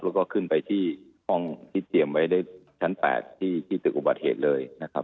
แล้วก็ขึ้นไปที่ห้องที่เตรียมไว้ในชั้น๘ที่ตึกอุบัติเหตุเลยนะครับ